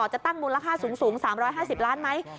จะตั้งมูลค่าสูง๓๕๐ล้านไหม